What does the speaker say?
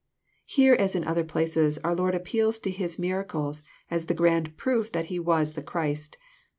] Here, as in other places, our Lord appeals to His miracles as the grand proof that He was the Christ.